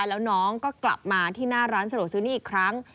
แล้วน้องก็กลับมาที่หน้าร้านสะดวกซื้อนี้อีกครั้ง